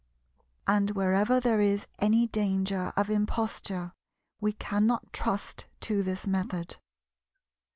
And wherever there is any danger of imposture we cannot trust to this method.